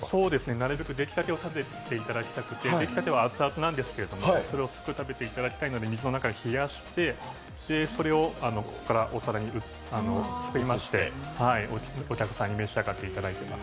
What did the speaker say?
なるべく出来たてを食べていただきたくて、できたては熱々なんですけれどもそれをすぐ食べていただきたいので、水の中で冷やしてそれをここからお皿にすくいまして、お客さんに召し上がっていただいています。